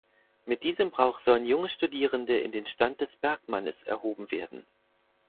Mit diesem Brauch sollen junge Studierende in den Stand des Bergmannes erhoben werden.